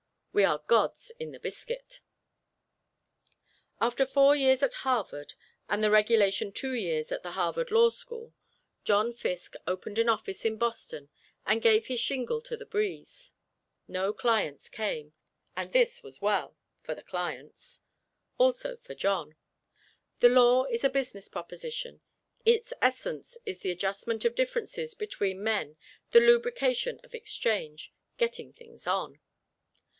We are gods in the biscuit! After four years at Harvard and the regulation two years at the Harvard Law School, John Fiske opened an office in Boston and gave his shingle to the breeze. No clients came, and this was well for the clients. Also, for John. The law is a business proposition: its essence is the adjustment of differences between men, the lubrication of exchange, getting things on!